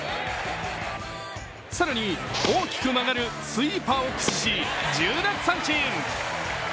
更に大きく曲がるスイーパーを駆使し、１０奪三振。